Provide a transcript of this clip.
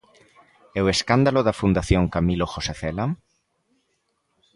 ¿E o escándalo da Fundación Camilo José Cela?